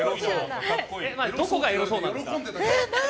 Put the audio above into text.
どこがエロそうなんですか？